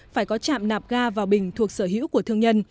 phải có trạm nạp ga vào bình thuộc sở hữu của thương nhân